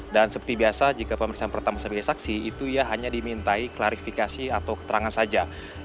dan seperti biasa jika pemeriksaan pertama sebagai saksi itu ya hanya dimintai klarifikasi atau keterangan saja